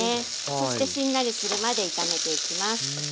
そしてしんなりするまで炒めていきます。